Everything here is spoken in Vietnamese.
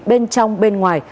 bên trong bên ngoài